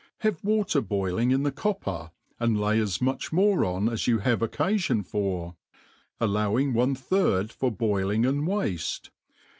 Have water boiling in the copper, actd Hy as much more on aa you have occafion for, alIowing one third for boiling and wafle.